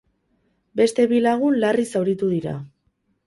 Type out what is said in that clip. Beste bi lagun larri zauritu dira.